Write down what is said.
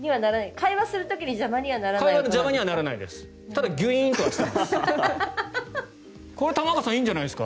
会話の邪魔にはならないです。